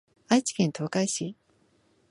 愛知県東海市